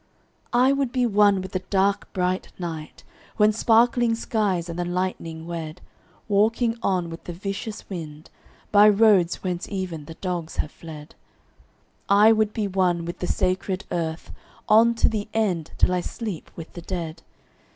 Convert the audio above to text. I would be one with the dark bright night When sparkling skies and the lightning wed— Walking on with the vicious wind By roads whence even the dogs have fled. I would be one with the sacred earth On to the end, till I sleep with the dead.